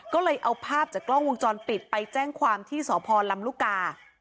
ก็เลยเอาภาพจากกล้องวงจรปิดไปแจ้งความที่สพลำลูกกา